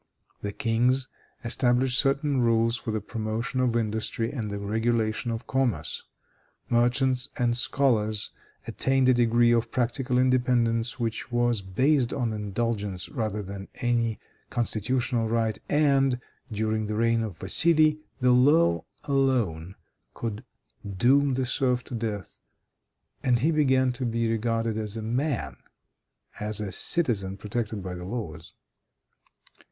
The kings established certain rules for the promotion of industry and the regulation of commerce. Merchants and scholars attained a degree of practical independence which was based on indulgence rather than any constitutional right, and, during the reign of Vassili, the law alone could doom the serf to death, and he began to be regarded as a man, as a citizen protected by the laws.